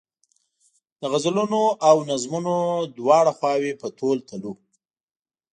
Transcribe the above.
د غزلونو او نظمونو دواړه خواوې په تول تلو.